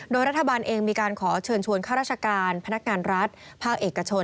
โดยรัฐบาลเองมีการขอเชิญชวนข้าราชการพนักงานรัฐภาคเอกชน